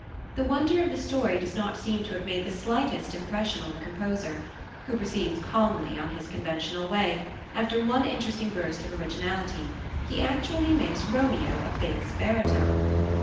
The wonder of the story does not seem to have made the slightest impression on the composer, who proceeds calmly on his conventional way, after one interesting burst of originality: he actually makes Romeo a bass baritone!